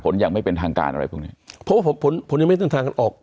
ผลอย่างไม่เป็นทางการหรือเปล่านี้เพราะว่าผลผลผลเล็กทางตัดออก